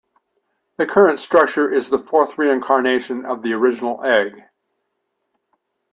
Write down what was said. The current structure is the fourth reincarnation of the original egg.